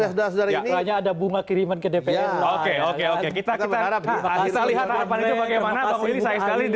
sudah sudah ini hanya ada bunga kiriman ke dpr oke oke kita kita kita lihat apa itu bagaimana